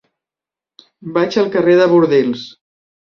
Vaig al carrer de Bordils.